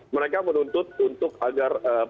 mereka menuntut untuk agar